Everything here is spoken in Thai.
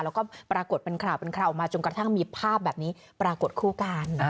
แล้วก็ปรากฏเป็นข่าวเป็นข่าวออกมาจนกระทั่งมีภาพแบบนี้ปรากฏคู่กัน